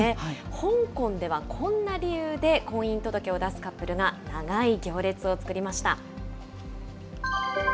香港では、こんな理由で婚姻届を出すカップルが長い行列を作りました。